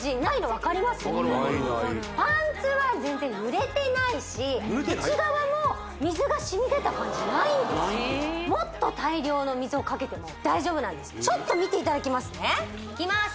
分かる分かるないないパンツは全然ぬれてないし内側も水がしみ出た感じないんですもっと大量の水をかけても大丈夫なんですちょっと見ていただきますねいきます